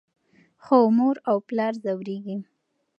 خو مور او پلار ځورېږي.